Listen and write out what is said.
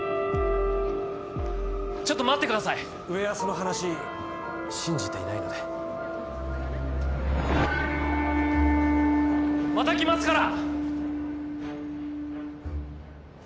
ちょっと待ってください上はその話信じていないのでまた来ますから！